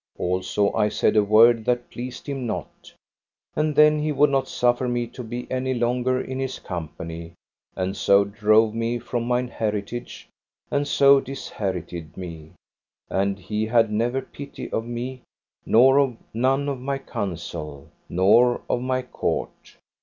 Also I said a word that pleased him not. And then he would not suffer me to be any longer in his company, and so drove me from mine heritage, and so disherited me, and he had never pity of me nor of none of my council, nor of my court.